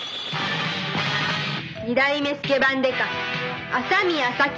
二代目スケバン刑事麻宮サキ！